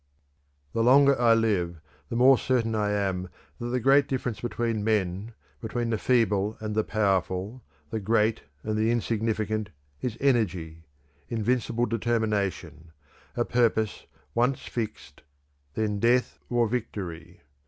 '" "The longer I live, the more certain I am that the great difference between men, between the feeble and the powerful, the great and the insignificant, is energy, invincible determination, a purpose once fixed, and then death or victory.